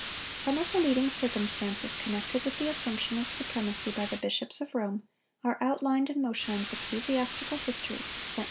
—Some of the leading circumstances connected with the assumption of supremacy by the bishops of Rome, are outlined in Mosheim's "Ecclesiastical History," cent.